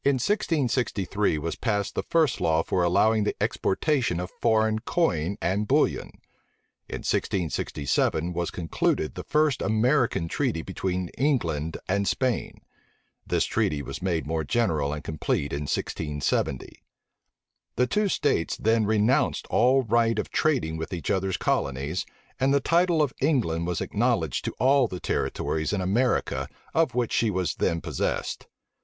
In 1663 was passed the first law for allowing the exportation of foreign coin and bullion. In 1667 was concluded the first American treaty between England and Spain: this treaty was made more general and complete in 1670. The two states then renounced all right of trading with each other's colonies; and the title of England was acknowledged to all the territories in America of which she was then possessed.